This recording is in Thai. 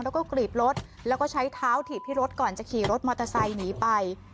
แล้วก็กรีดรถแล้วก็ใช้เท้าถีบที่รถก่อนจะขี่รถมอเตอร์ไซค์หนีไป